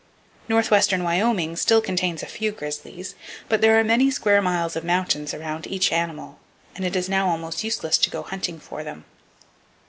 Northwestern Wyoming still contains a few grizzlies, but there are so many square miles of mountains around each animal it is now almost useless to go hunting for them.